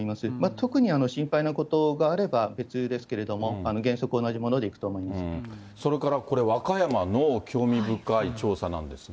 特に心配なことがあれば別ですけれども、原則、同じものでいくとそれからこれ、和歌山の興味深い調査なんですが。